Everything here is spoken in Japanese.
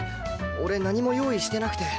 俺何も用意してなくて。